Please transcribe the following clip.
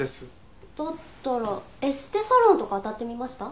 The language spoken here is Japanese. だったらエステサロンとか当たってみました？